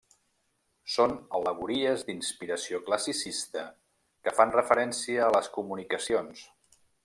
Són al·legories d'inspiració classicista que fan referència a les comunicacions.